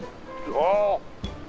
ああ！